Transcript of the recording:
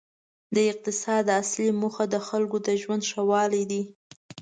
د اقتصاد اصلي موخه د خلکو د ژوند ښه والی دی.